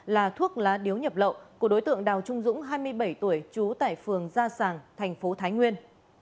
là thuốc lá điếu nhập lậu của đối tượng đào trung dũng hai mươi bảy tuổi trú tại phường gia sàng thành phố thái nguyên